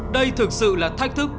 đây thực sự là thách thức